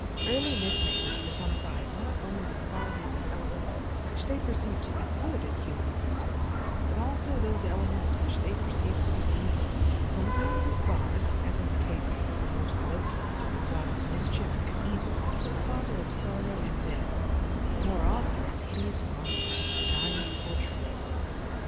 Early myth makers personified not only the qualities and elements which they perceived to be good in human existence, but also those elements which they perceived to be evil, sometimes as gods, as in the case of the Norse Loki, god of mischief and evil, father of sorrow and death, but more often as hideous monsters, giants or trolls.